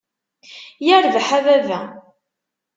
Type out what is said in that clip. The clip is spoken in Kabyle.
Yirbeḥ a baba!